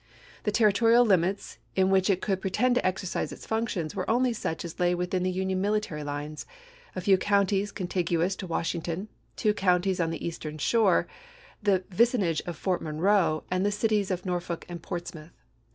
The terri torial limits in which it could pretend to exercise its functions were only such as lay within the Union military lines : a few counties contiguous to Washington, two counties on the Eastern Shore, the vicinage of Fort Monroe, and the cities of Nor folk and Portsmouth.